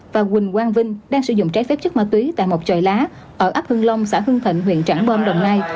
và quỳnh quang vinh đang sử dụng trái phép chất ma túy tại một trời lá ở ấp hưng long xã hưng thạnh huyện trảng bom đồng nai